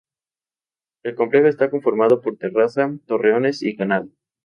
El complejo está conformado por terraza, torreones y canal.